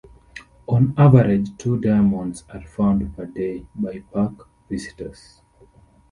On average, two diamonds are found per day by park visitors.